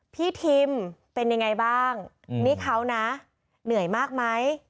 ทิมเป็นยังไงบ้างนี่เขานะเหนื่อยมากไหม